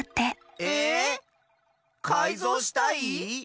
ええっ⁉かいぞうしたい？